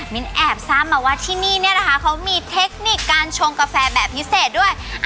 แอบทราบมาว่าที่นี่เนี่ยนะคะเขามีเทคนิคการชงกาแฟแบบพิเศษด้วย